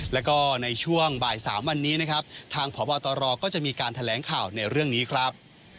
แล้วก็ในช่วงบ่าย๓วันนี้นะครับทางพบตรก็จะมีการแถลงข่าวในเรื่องนี้ครับ